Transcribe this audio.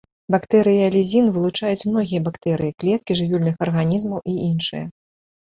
Бактэрыялізін вылучаюць многія бактэрыі, клеткі жывёльных арганізмаў і іншыя.